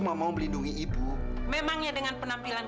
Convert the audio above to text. kalau kelakuannya edo seperti ini